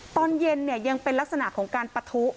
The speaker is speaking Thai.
ตอนเย็นยังเป็นลักษณะของการปะทุ